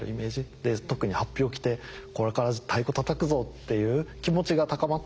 で特にはっぴを着て「これから太鼓たたくぞ」っていう気持ちが高まってくる。